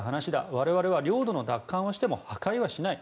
我々は領土の奪還はしても破壊はしない。